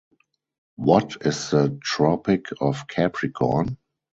What is the Tropic of Capricorn?